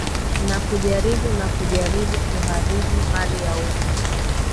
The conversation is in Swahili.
na kujaribu na kujaribu kuharibu mali ya umma